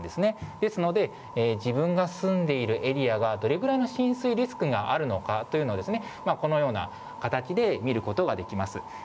ですので、自分が住んでいるエリアはどれぐらいの浸水リスクがあるのかっていうのを、このような形で見ることができます。